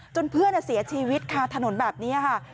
เพื่อนเสียชีวิตคาถนนแบบนี้ค่ะ